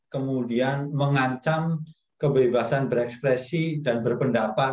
kemudian mengancam kebebasan berekspresi dan berpendapat